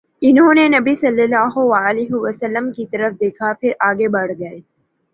انھوں نے نبی صلی اللہ علیہ وسلم کی طرف دیکھا، پھر آگے بڑھ گئے